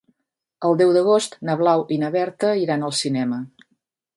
El deu d'agost na Blau i na Berta iran al cinema.